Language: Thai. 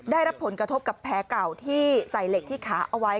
ได้รับผลกระทบกับแผลเก่าที่ใส่เหล็กที่ขาเอาไว้